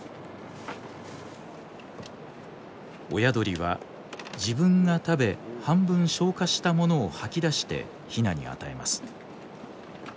親鳥は自分が食べ半分消化したものを吐き出してヒナに与えます。